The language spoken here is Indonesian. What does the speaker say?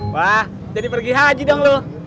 wah jadi pergi haji dong loh